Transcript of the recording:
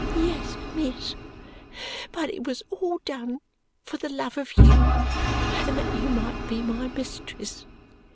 "Yes, miss, but it was all done for the love of you and that you might be my mistress.